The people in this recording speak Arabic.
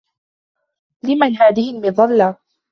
لمن هذه المظلة ؟